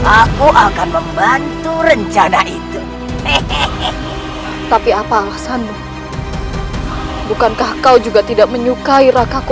aku akan membantu rencana itu tapi apa alasanmu bukankah kau juga tidak menyukai rakaku